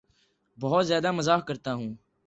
بہت زیادہ مزاح کرتا ہوں